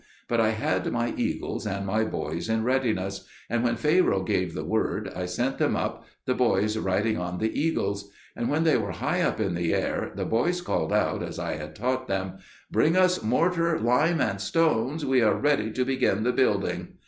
But I had my eagles and my boys in readiness; and when Pharaoh gave the word, I sent them up, the boys riding on the eagles; and when they were high up in the air, the boys called out, as I had taught them, "Bring us mortar, lime, and stones: we are ready to begin the building!"